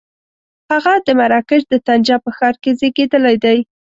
هغه د مراکش د طنجه په ښار کې زېږېدلی دی.